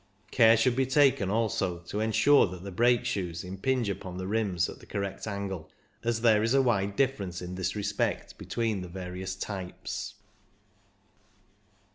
Care should be taken, also, to ensure that the brake shoes impinge upon the rims at the correct angle, as there is a wide difference in this respect between the various types.